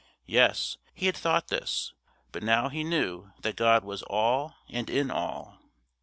Yes, he had thought this; but now he knew that God was all and in all.